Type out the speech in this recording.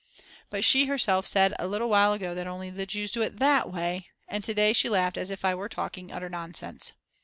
But she herself said a little while ago that only Jews do it that way, and to day she laughed as if I were talking utter nonsense.